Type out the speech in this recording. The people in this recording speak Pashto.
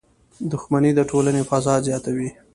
• دښمني د ټولنې فساد زیاتوي.